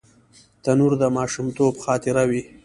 تنور د ماشومتوب خاطره وي